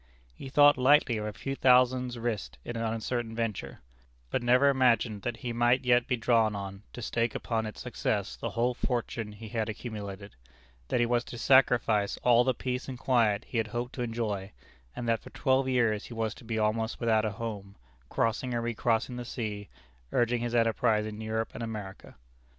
He thought lightly of a few thousands risked in an uncertain venture; but never imagined that he might yet be drawn on to stake upon its success the whole fortune he had accumulated; that he was to sacrifice all the peace and quiet he had hoped to enjoy; and that for twelve years he was to be almost without a home, crossing and re crossing the sea, urging his enterprise in Europe and America.